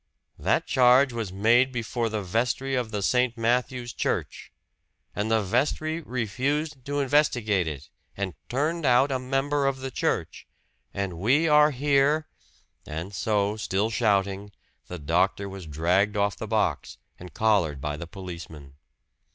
"That charge was made before the vestry of the St. Matthew's Church! And the vestry refused to investigate it, and turned out a member of the church! And we are here " And so, still shouting, the doctor was dragged off the box and collared by the policeman.